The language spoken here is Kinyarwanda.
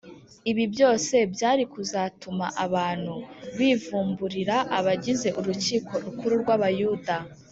ibi byose byari kuzatuma abantu bivumburira abagize urukiko rukuru rw’abayuda